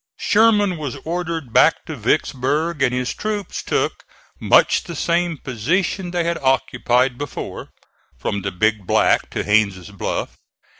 Sherman was ordered back to Vicksburg, and his troops took much the same position they had occupied before from the Big Black to Haines' Bluff.